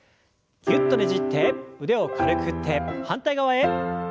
ぎゅっとねじって腕を軽く振って反対側へ。